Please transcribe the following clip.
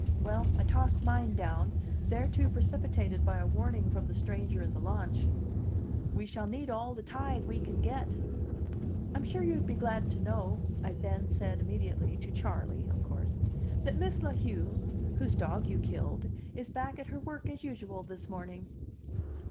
Well, I tossed mine down, thereto precipitated by a warning from the stranger in the launch: "We shall need all the tide we can get." "I'm sure you'd be glad to know," I then said immediately (to Charley, of course), "that Miss La Heu, whose dog you killed, is back at her work as usual this morning."